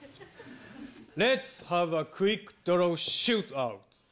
レッツハブアクイックドローシュートアウト。